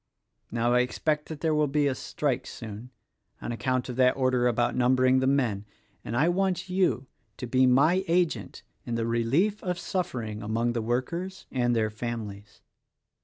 Now, I expect that there will be a strike soon — on account of that order about number ing the men — and I want you to be my agent in the relief of suffering among the workers and their families.